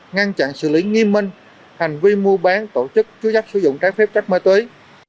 ngăn chặn xử lý nghiêm minh hành vi mua bán tổ chức chú chấp sử dụng trái phép chất máy tí